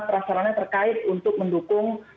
prasarana terkait untuk mendukung